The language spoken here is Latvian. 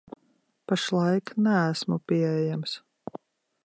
Pašlaik neesmu pieejams.